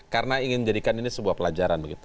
karena ingin menjadikan ini sebuah pelajaran